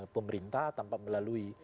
pemerintah tanpa melalui